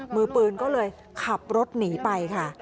มือปืนก็เลยขับรถหนีไปค่ะ